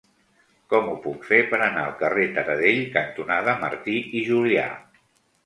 Com ho puc fer per anar al carrer Taradell cantonada Martí i Julià?